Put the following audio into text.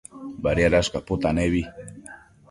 Badiadash caputanebi